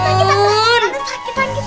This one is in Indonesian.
aduh aduh aduh sakit sakit sakit